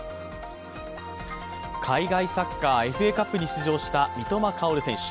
海外サッカー、ＦＡカップに出場した三笘薫選手。